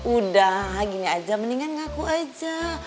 udah gini aja mendingan ngaku aja